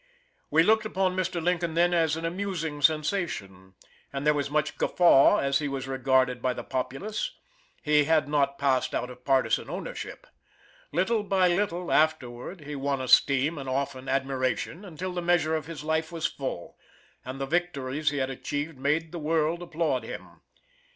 We looked upon Mr. Lincoln then as an amusing sensation, and there was much guffaw as he was regarded by the populace; he had not passed out of partisan ownership. Little by little, afterward, he won esteem, and often admiration, until the measure of his life was full, and the victories he had achieved made the world applaud him.